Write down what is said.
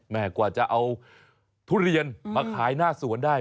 กว่าจะเอาทุเรียนมาขายหน้าสวนได้